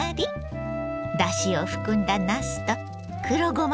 だしを含んだなすと黒ごま